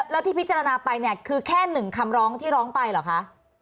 แล้วที่พิจารณาไปเนี่ยคือแค่๑คำร้องที่ร้องไปเหรอคะ